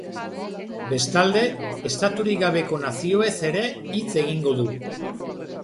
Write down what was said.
Bestalde, estaturik gabeko nazioez ere hitz egin du.